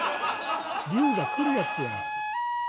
龍が来るやつやん。